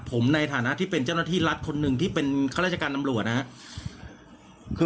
ผมในฐานะที่เป็นเจ้าหน้าที่รัฐคนหนึ่งที่เป็นข้าราชการตำรวจนะครับ